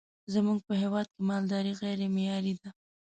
زمونږ په هیواد کی مالداری غیری معیاری ده